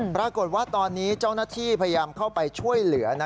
ปรากฏว่าตอนนี้เจ้าหน้าที่พยายามเข้าไปช่วยเหลือ